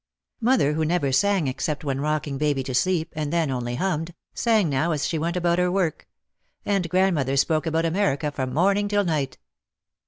Mother, who never sang except when rocking baby to sleep, and then only hummed, sang now as she went about her work. And grandmother spoke about America from morning till night.